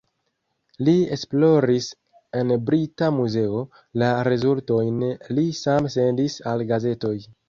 Li esploris en Brita Muzeo, la rezultojn li same sendis al gazetoj.